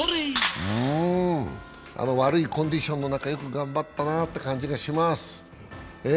悪いコンディションの中よく頑張ったなって感じがします。